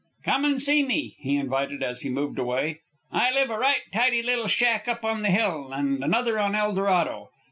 "Come an' see me," he invited, as he moved away. "I've a right tidy little shack up on the hill, and another on Eldorado.